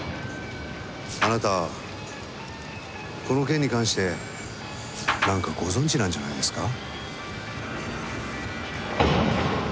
あなたはこの件に関して何かご存じなんじゃないですか？